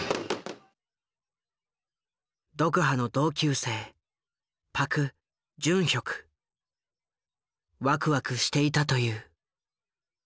ドクハの同級生ワクワクしていたという。